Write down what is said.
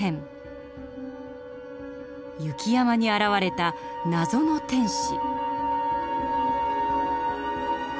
雪山に現れた謎の天使。